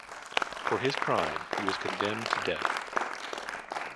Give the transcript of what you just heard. For his crime, he was condemned to death.